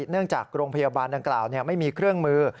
เนื่องจากโรงพยาบาลดังกล่าวไม่มีเครื่องมือ